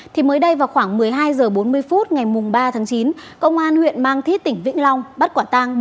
thì mới đây vào khoảng một mươi hai h bốn mươi phút ngày ba tháng chín công an huyện mang thít tỉnh vĩnh long bắt quả tăng